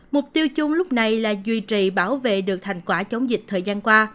mục tiêu chung lúc này là duy trì bảo vệ được thành quả chống dịch thời gian qua